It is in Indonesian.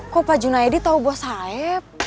kok pak junaedi tau bahwa saya